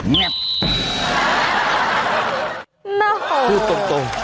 มิ้นเห่าะพูดตรง